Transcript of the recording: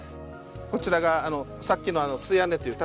こちらがさっきの素屋根という建屋ですね。